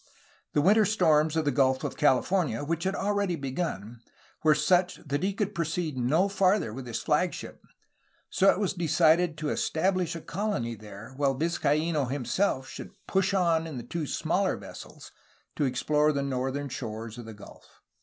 The winter storms of the Gulf of California, which had already begun, were such that he could proceed no farther with his flagship; so it was decided to establish a colony there while Vizcaino himself should push on in the two smaller vessels to explore the northern shores of the gulf.